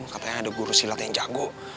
katanya ada guru silat yang jago